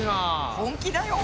本気だよ。